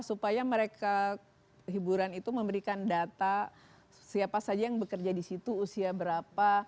supaya mereka hiburan itu memberikan data siapa saja yang bekerja di situ usia berapa